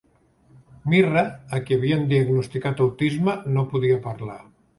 Mirra, a qui havien diagnosticat autisme, no podia parlar.